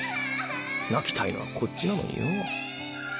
泣きたいのはこっちなのによぉ。